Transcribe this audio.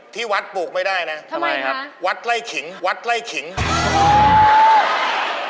ที่วัดปลูกไม่ได้นะทำไมครับวัดไล่ขิงวัดไล่ขิง